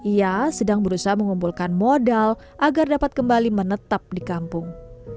ia sedang berusaha mengumpulkan modal agar dapat kembali menetap di kampung